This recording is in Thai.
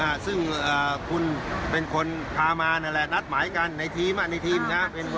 อ่าซึ่งเอ่อคุณเป็นคนพามานั่นแหละนัดหมายกันในทีมอ่ะในทีมนะ